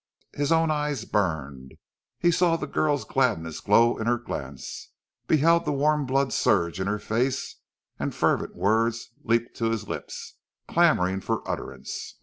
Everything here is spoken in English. His own eyes burned. He saw the girl's gladness glow in her glance, beheld the warm blood surge in her face, and fervent words leaped to his lips, clamouring for utterance.